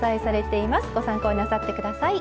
ご参考になさって下さい。